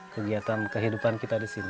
kegiatan kehidupan kita di sini